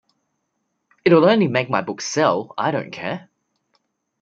It'll only make my books sell, I don't care.